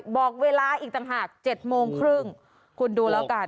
บอกเวลาอีกต่างหาก๗โมงครึ่งคุณดูแล้วกัน